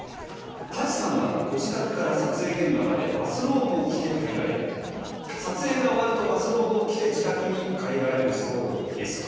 舘さんはご自宅から撮影現場までバスローブを着て入られ撮影が終わるとバスローブを着て自宅に帰られるそうですと。